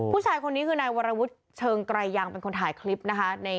ผู้ชายคนนี้คือนายวรวุฒิเชิงไกรยังเป็นคนถ่ายคลิปนะคะ